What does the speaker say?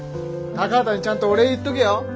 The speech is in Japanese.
高畑にちゃんとお礼言っとけよ。